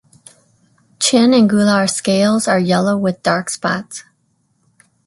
Chin and gular scales are yellow with dark spots.